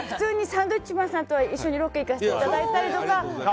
サンドウィッチマンさんとは一緒にロケ行かせていただいたりとか。